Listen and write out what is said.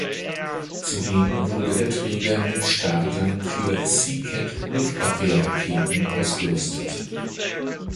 Zudem wurde der Träger mit Startern für Sea-Cat-Luftabwehrraketen ausgerüstet.